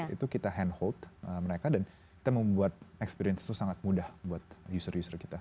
itu kita hand hold mereka dan kita membuat experience itu sangat mudah buat user user kita